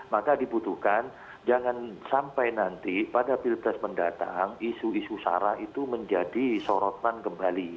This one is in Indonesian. maka dibutuhkan jangan sampai nanti pada pilpres mendatang isu isu sara itu menjadi sorotan kembali